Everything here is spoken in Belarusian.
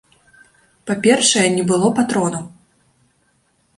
Па-першае, не было патронаў.